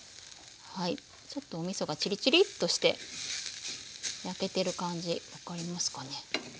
ちょっとおみそがちりちりとして焼けてる感じ分かりますかね？